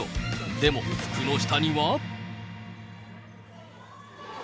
でも服の下には。